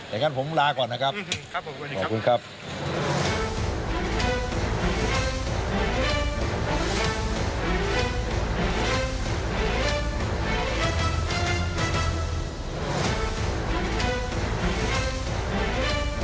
เขาก็ยังน้ำใจน่ะเราเคยดูแลเขามาตลอดเขาก็ต้องช่วยเราบ้าง